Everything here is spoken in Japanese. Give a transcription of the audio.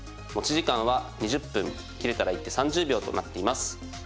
持ち時間は２０分切れたら一手３０秒となっています。